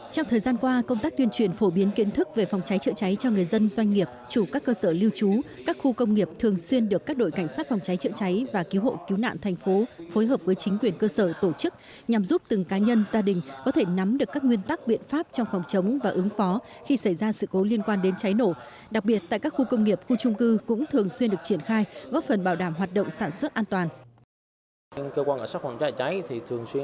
trong thời gian qua công tác tuyên truyền phổ biến kiến thức về phòng cháy chữa cháy cho người dân doanh nghiệp chủ các cơ sở lưu trú các khu công nghiệp thường xuyên được các đội cảnh sát phòng cháy chữa cháy và cứu hộ cứu nạn thành phố phối hợp với chính quyền cơ sở tổ chức nhằm giúp từng cá nhân gia đình có thể nắm được các nguyên tắc biện pháp trong phòng chống và ứng phó khi xảy ra sự cố liên quan đến cháy nổ đặc biệt tại các khu công nghiệp khu trung cư cũng thường xuyên được triển khai góp phần bảo đảm hoạt động sản xu